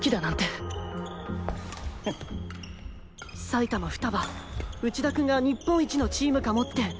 埼玉ふたば内田君が日本一のチームかもって。